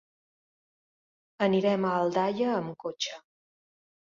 Anirem a Aldaia amb cotxe.